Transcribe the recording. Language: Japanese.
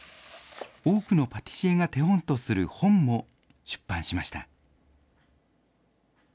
多くのパティシエが手本とする本も出版しました。